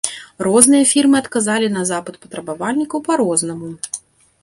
Розныя фірмы адказалі на запыт патрабавальнікаў па рознаму.